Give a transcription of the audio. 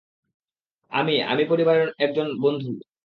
আমি — আমি পরিবারের একজন বন্ধু।